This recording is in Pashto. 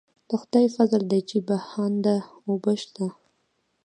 د خدای فضل دی چې بهانده اوبه شته.